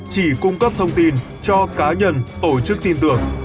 chỉ cung cấp thông tin cho cá nhân tổ chức tin tưởng